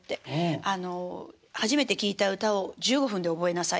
「初めて聴いた歌を１５分で覚えなさい。